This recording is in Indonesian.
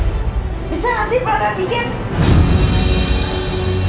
mas bisa gak sih peletan tiket